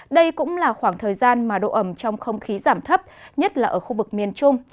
đây cũng là khoảng thời gian mà độ ẩm trong không khí giảm thấp nhất là ở khu vực miền trung